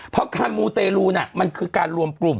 เพราะการมูเตรลูน่ะมันคือการรวมกลุ่ม